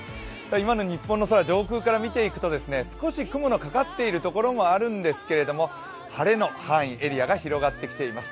今の日本の空、上空から見ていくと少し雲のかかっているところもあるんですけれども、晴れの範囲、エリアが広がってきています。